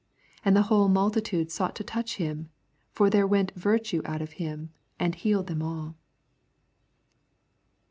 19 And the whole multitude sought to touch him : for there went virtue out of him, and healed them all.